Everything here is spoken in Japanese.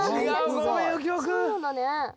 そうなんだね。